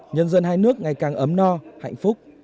nhân dân hai nước ngày càng ấm no hạnh phúc